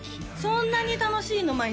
そんなに楽しいの？